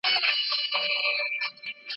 بیا به موسم سي د سروغوټیو